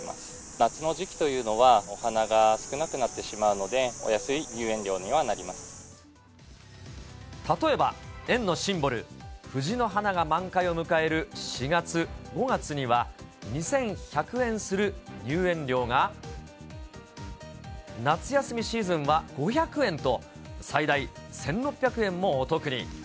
夏の時期というのは、お花が少なくなってしまうので、お安い入園例えば、園のシンボル、藤の花が満開を迎える４月、５月には２１００円する入園料が、夏休みシーズンは５００円と、最大１６００円もお得に。